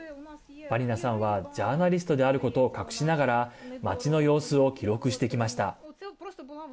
バニナさんは、ジャーナリストであることを隠しながら街の様子を記録してきました。